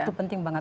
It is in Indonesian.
itu penting banget